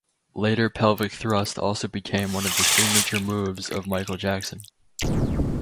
Later pelvic thrust also became one of the signature moves of Michael Jackson.